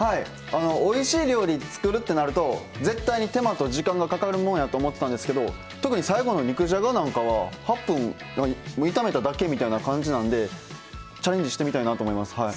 おいしい料理作るってなると絶対に手間と時間がかかるもんやと思ってたんですけど特に最後の肉じゃがなんかは８分炒めただけみたいな感じなんでチャレンジしてみたいなと思います。